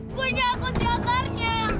gue nyangkut di angkarnya